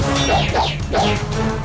untuk memohon maaf